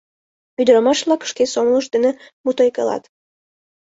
Ӱдырамаш-влак шке сомылышт дене мутайкалат.